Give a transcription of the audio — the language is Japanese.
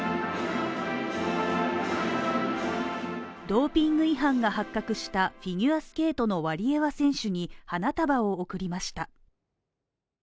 ドーピング違反が発覚したフィギュアスケートのワリエワ選手に花束を贈りました。